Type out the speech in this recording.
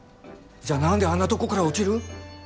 じゃあ何であんなとこから落ちる。